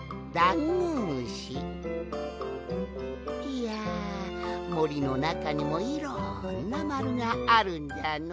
いやもりのなかにもいろんなまるがあるんじゃの。